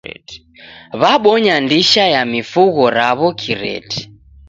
W'abonya ndisha ya mifugho raw'o kireti.